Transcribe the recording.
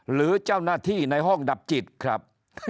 หรือเจ้าหน้าที่ในห้องดับจิตครับ